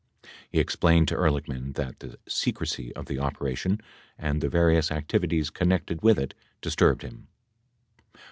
He explained to Ehrlichman that the secrecy of the operation and the various activities connected with it disturbed him.